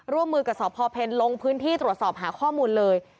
ร่วมมือกับสพเพลลงพื้นที่ตรวจสอบหาข้อมูลเลย